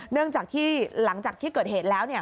เนื่องจากที่หลังจากที่เกิดเหตุแล้ว